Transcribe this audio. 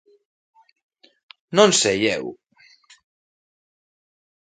Non sei... eu...